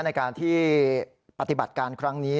ในการที่ปฏิบัติการครั้งนี้